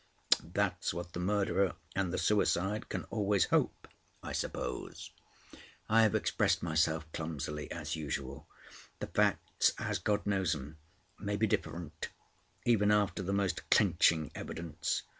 "That's what the murderer and the suicide can always hope—I suppose." "I have expressed myself clumsily as usual. The facts as God knows 'em—may be different—even after the most clinching evidence.